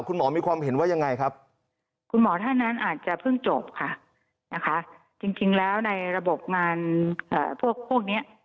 คุณหมอท่านอาจจะเพิ่งจบค่าจริงแล้วในระบบงานนี้